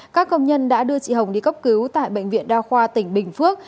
các công nhân đã đưa chị hồng đi cấp cứu tại bệnh viện đa khoa tỉnh bình phước